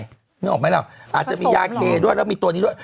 ไม่รู้หรืออาจจะมียาเคด้วยแล้วมีตัวนี้ด้วย